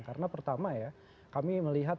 karena pertama ya kami melihat